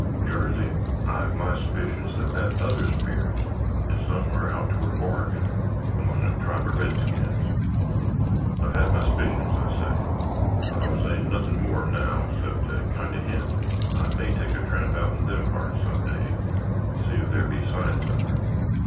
Jarsey, I've my s'picions that that other sperit is somewhere out toward Oregon, 'mong a tribe of redskins. I've had my s'picions I say, but I'll say nothin' more now 'cept to kind of hint I may take a tramp out in them parts some day to see ef thar be signs of her."